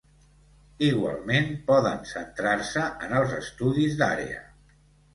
Igualment poden centrar-se en els estudis d'àrea.